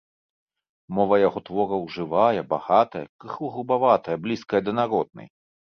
Мова яго твораў жывая, багатая, крыху грубаватая, блізкая да народнай.